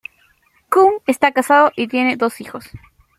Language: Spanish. Kuhn está casado y tiene dos hijos.